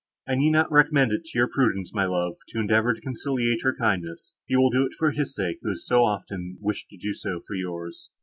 I need not recommend it to your prudence, my love, to endeavour to conciliate her kindness; you will do this for his sake, who has often wished to do so for yours."